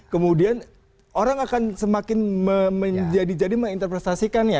kemudian orang akan semakin menjadi menginterprestasikan ya